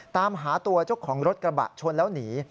ตามหาตัวเจ้าของรถกระบะชนแล้วหนี